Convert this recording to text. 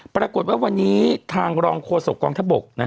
ปรากฏว่าวันนี้ทางรองโฆษกองทบก